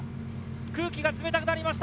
空気が冷たくなりました。